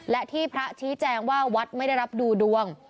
และที่พระชี้แจงว่าวัดไม่ได้รับดูดวง